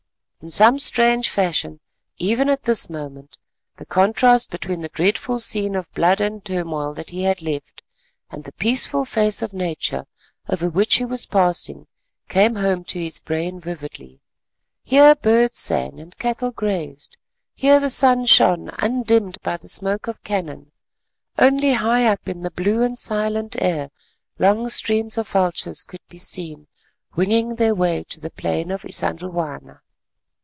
In some strange fashion, even at this moment, the contrast between the dreadful scene of blood and turmoil that he had left, and the peaceful face of Nature over which he was passing, came home to his brain vividly. Here birds sang and cattle grazed; here the sun shone undimmed by the smoke of cannon, only high up in the blue and silent air long streams of vultures could be seen winging their way to the Plain of Isandhlwana.